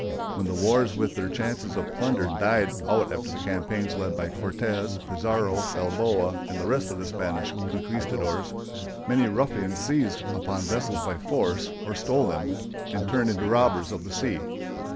When the wars with their chances of plunder died out after the campaigns led by Cortés, Pizarro, Balboa, and the rest of the Spanish conquistadores, many ruffians seized upon vessels by force, or stole them, and turned into robbers of the sea.